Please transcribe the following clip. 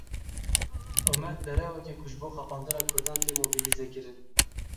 Umet, dereweke ku ji bo xapandina kurdan tê mobîlîzekirin.